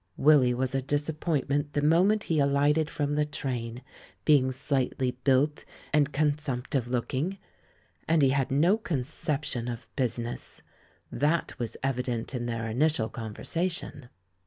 Willy was a disappointment the moment he alighted from the train, being slightly built and consumptive 84 THE MAN WHO UNDERSTOOD WOMEN looking. And he had no conception of business: that was evident in their initial conversation.